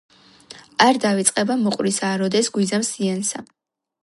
არ- დავიწყება მოყვრისა აროდეს გვიზამს ზიანსა